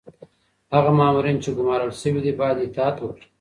هغه مامورین چي ګمارل شوي دي باید اطاعت وکړي.